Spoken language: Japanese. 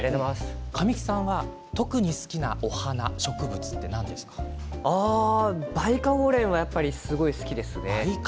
神木さんが特に好きなお花バイカオウレンはすごい好きですね。